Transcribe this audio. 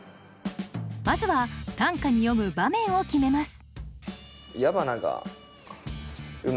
まずは短歌に詠む場面を決めます